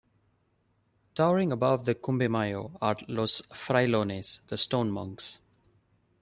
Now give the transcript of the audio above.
Towering above the Cumbe Mayo, are Los Frailones, the Stone Monks.